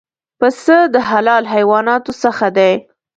پسه د حلال حیواناتو څخه دی.